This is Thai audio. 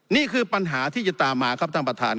นี่คือปัญหาที่จะตามมาครับท่านประธาน